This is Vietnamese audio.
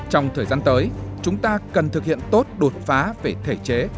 trong thời gian tới chúng ta cần thực hiện tốt đột phá về thể chế